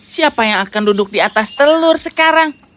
siapa yang akan duduk di atas telur sekarang